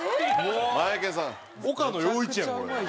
マエケンさん岡野陽一やんこれ。